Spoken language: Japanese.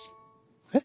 えっ。